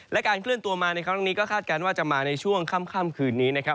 และการเคลื่อนตัวมาในครั้งนี้ก็คาดการณ์ว่าจะมาในช่วงค่ำคืนนี้นะครับ